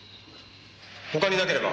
他になければ。